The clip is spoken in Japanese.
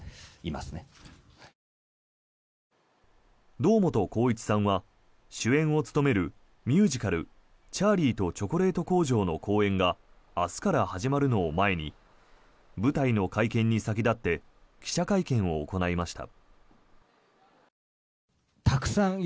堂本光一さんは主演を務めるミュージカル「チャーリーとチョコレート工場」の公演が明日から始まるのを前に舞台の会見に先立って記者会見を行いました。